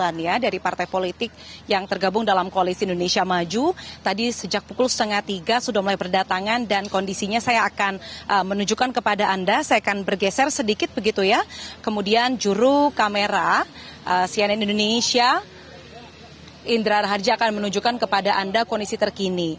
indra harja akan menunjukkan kepada anda kondisi terkini